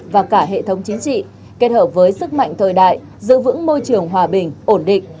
và cả hệ thống chính trị kết hợp với sức mạnh thời đại giữ vững môi trường hòa bình ổn định